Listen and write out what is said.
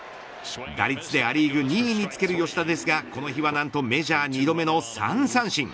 打率でア・リーグ２位につける吉田ですがこの日は何とメジャー２度目の３三振。